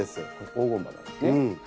黄金葉なんですね。